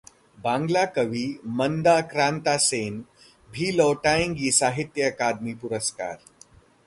बांग्ला कवि मंदाक्रांता सेन भी लौटाएंगी साहित्य अकादमी पुरस्कार